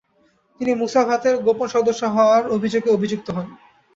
তিনি মুসাভাতের গোপন সদস্য হওয়ার অভিযোগে অভিযুক্ত হন।